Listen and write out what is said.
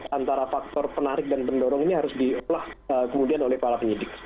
antara faktor penarik dan pendorong ini harus diolah kemudian oleh para penyidik